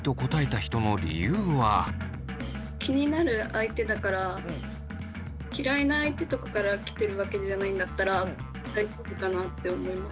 一方嫌いな相手とかから来てるわけじゃないんだったら大丈夫かなって思いました。